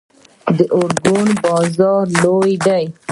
د ارګون بازار لوی دی